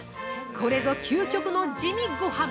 これぞ究極の地味ごはん。